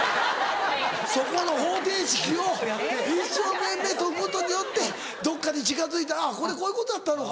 そこの方程式を一生懸命解くことによってどっかで近づいた「これこういうことやったのか。